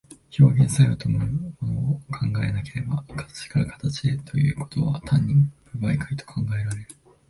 表現作用というものを考えなければ、形から形へということは単に無媒介と考えられる。